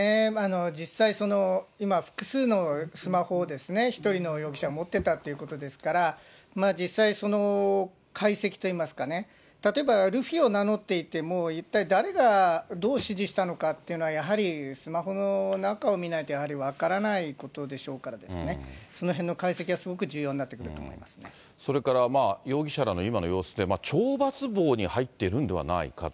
実際、今複数のスマホを１人の容疑者持ってたということですから、実際、その解析といいますか、例えば、ルフィを名乗っていても、もう一体、誰がどう指示したのかというのはやはりスマホの中を見ないと、やはり分からないことでしょうからですね、そのへんの解析はすごそれから、容疑者らの今の様子で、懲罰房に入っているんではないかと。